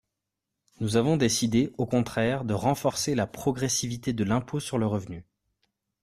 Nous avons décidé, au contraire, de renforcer la progressivité de l’impôt sur le revenu.